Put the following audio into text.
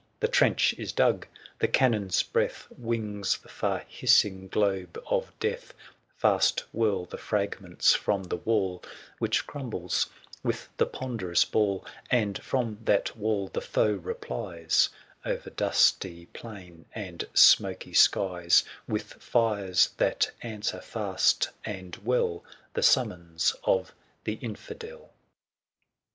The trench is dug, the cannon's breath Wings the far hissing globe of death ; Fast whirl the fragments from the wall, Which crumbles with the ponderous ball ; 45 And from that wall the foe replies, O'er dusty plain and smoky skies, With fires that answer fast and well The summons of the Infidel.